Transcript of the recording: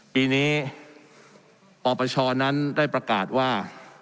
ปีนี้ปปชนั้นได้ประกาศว่า